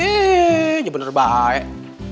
ini benar baik